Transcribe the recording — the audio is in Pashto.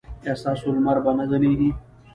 ایا ستاسو لمر به نه ځلیږي؟